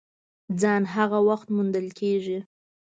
ځان هغه وخت موندل کېږي !